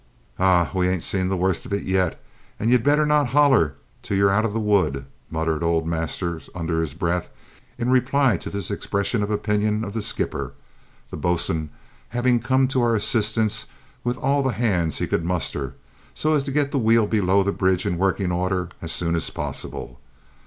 "Ah, we ain't seed the worse on it yet, and you'd better not holler till ye're out o' the wood!" muttered old Masters under his breath, in reply to this expression of opinion of the skipper, the boatswain having come to our assistance with all the hands he could muster, so as to get the wheel below the bridge in working order as soon as possible.